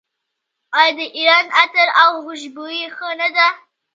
آیا د ایران عطر او خوشبویي ښه نه ده؟